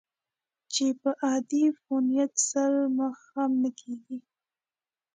چې په عادي فونټ سل مخه هم نه کېږي.